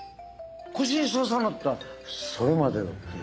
腰にささなかったらそれまでよって。